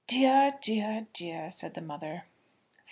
"Dear, dear, dear!" said the mother.